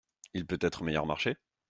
Il peut être meilleur marché ?